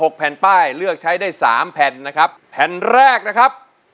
๑ค่ะ๑นะครับ